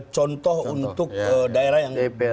contoh untuk daerah yang